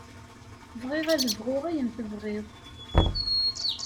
Bɣiɣ ad bɣuɣ ayen tebɣiḍ.